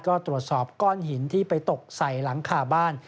ก็ตรวจสอบก้อนหินที่ไปตกใส่หลังคาบ้าน